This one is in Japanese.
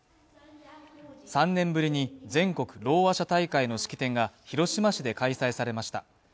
３年ぶりに全国ろうあ者大会の式典が広島市で開催されました。